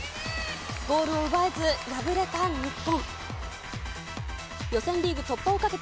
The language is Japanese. ゴールを奪えず、敗れた日本。